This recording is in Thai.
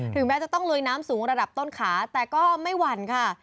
แม้จะต้องลุยน้ำสูงระดับต้นขาแต่ก็ไม่หวั่นค่ะ